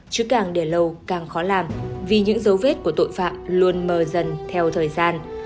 chứ càng để lâu càng khó làm vì những dấu vết của tội phạm luôn mờ dần theo thời gian